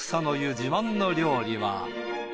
自慢の料理は。